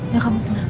ya kamu tenang